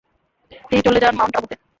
তিনি চলে যান মাউন্ট আবুতে।